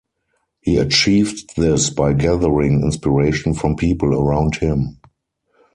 He achieved this by gathering inspiration from people around him.